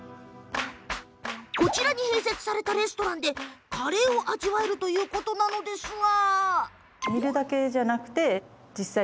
こちらに併設されたレストランでカレーを味わえるということなんですが。